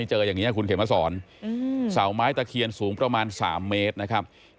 เจออย่างนี้คุณเขมสอนเสาไม้ตะเคียนสูงประมาณ๓เมตรนะครับ